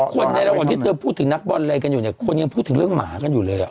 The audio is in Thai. คนใดละวันที่พูดถึงนักบอลเล้ยกันอยู่คนยังพูดถึงเรื่องหมากันอยู่เลย